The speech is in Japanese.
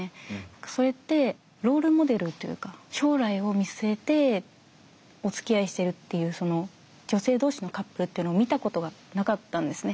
それってロール・モデルというか将来を見据えておつきあいしてるっていうその女性同士のカップルっていうのを見たことがなかったんですね。